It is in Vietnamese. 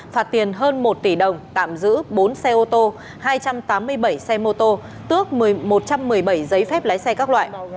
phạt tiền hơn một tỷ đồng tạm giữ bốn xe ô tô hai trăm tám mươi bảy xe mô tô tước một trăm một mươi bảy giấy phép lái xe các loại